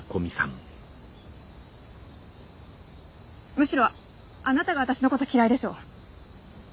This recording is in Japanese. むしろあなたが私のこと嫌いでしょう？